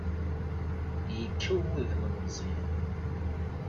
Yekkaw wudem n Meẓyan.